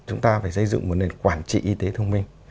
chúng ta phải xây dựng một nền quản trị y tế thông minh